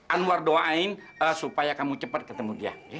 anwar doain supaya kamu cepat ketemu dia